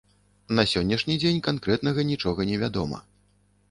На сённяшні дзень канкрэтна нічога не вядома.